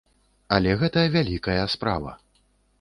Але гэта вялікая справа.